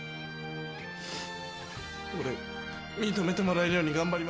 「俺認めてもらえるように頑張ります」